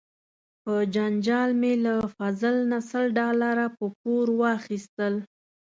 په جنجال مې له فضل نه سل ډالره په پور واخیستل.